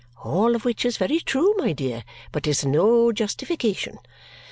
All of which is very true, my dear, but is no justification.